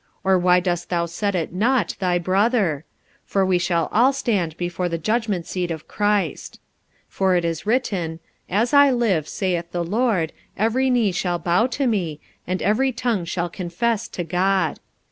or why dost thou set at nought thy brother? for we shall all stand before the judgment seat of Christ. 45:014:011 For it is written, As I live, saith the Lord, every knee shall bow to me, and every tongue shall confess to God.